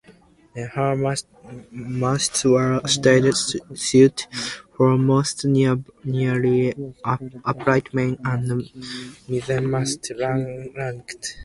Her masts were stayed thus: foremast nearly upright, main and mizenmasts rake aft.